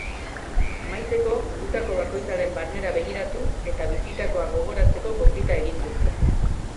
Amaitzeko, gutako bakoitzaren barnera begiratu eta bizitakoa gogoratzeko gonbita egin du.